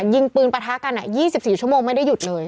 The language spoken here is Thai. ยิงปืนประทะกัน๒๔ชั่วโมงไม่ได้หยุดเลย